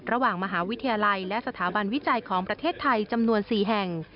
ระหว่างมหาวิทยาลัยและสถาบันวิจัยของประเทศไทยจำนวน๔แห่ง